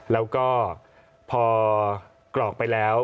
แล้วก็พอกรอกไปแล้ว